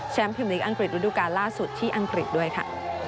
พิมพลิกอังกฤษฤดูการล่าสุดที่อังกฤษด้วยค่ะ